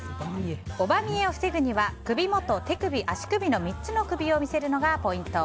オバ見えを防ぐには首元、手首、足首の３つの首を見せるのがポイント。